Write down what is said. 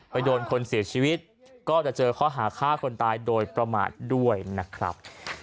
โดนคนเสียชีวิตก็จะเจอข้อหาฆ่าคนตายโดยประมาทด้วยนะครับ